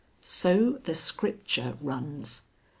So the Scripture runs.